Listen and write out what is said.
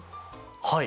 はい。